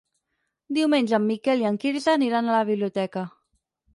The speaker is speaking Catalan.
Diumenge en Miquel i en Quirze aniran a la biblioteca.